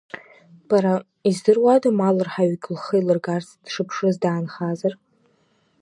Бара, издыруада малрҳаҩык лхы илыргарц дшыԥшыз даанхазар?